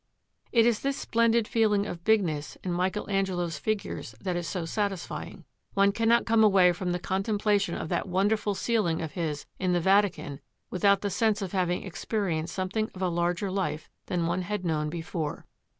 It is this splendid feeling of bigness in Michael Angelo's figures that is so satisfying. One cannot come away from the contemplation of that wonderful ceiling of his in the Vatican without the sense of having experienced something of a larger life than one had known before.